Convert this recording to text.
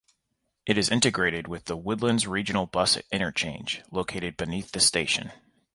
It is integrated with the Woodlands Regional Bus Interchange located beneath the station.